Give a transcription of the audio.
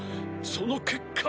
その結果！